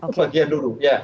itu bagian dulu